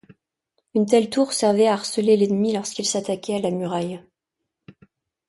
Une telle tour servait à harceler l'ennemi lorsqu'il s'attaquait à la muraille.